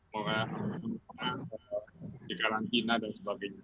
mulai di karantina dan sebagainya